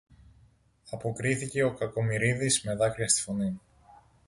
αποκρίθηκε ο Κακομοιρίδης με δάκρυα στη φωνή.